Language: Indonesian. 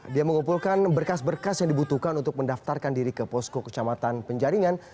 dia mengumpulkan berkas berkas yang dibutuhkan untuk mendaftarkan diri ke posko kecamatan penjaringan